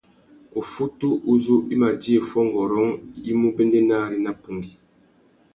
Uffutu uzú i mà djï fuongôrông i mú béndénari nà pungüi.